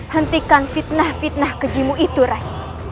hentikan fitnah fitnah kejimu itu rai